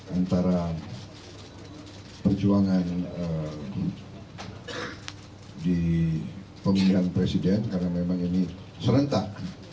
antara perjuangan di pemilihan presiden karena memang ini serentak